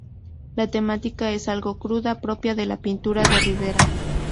La temática es algo cruda, propia de la pintura de Ribera.